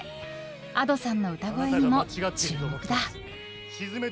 Ａｄｏさんの歌声にも注目だ。